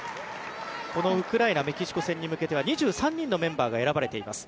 このウクライナメキシコ戦に向けては２３人のメンバーが選ばれています。